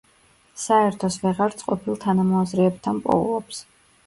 საერთოს ვეღარც ყოფილ თანამოაზრეებთან პოულობს.